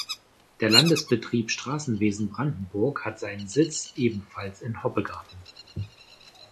Der Landesbetrieb Straßenwesen Brandenburg hat seinen Sitz ebenfalls in Hoppegarten.